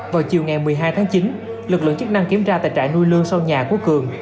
vào chiều ngày một mươi hai tháng chín lực lượng chức năng kiểm tra tại trại nuôi lương sau nhà của cường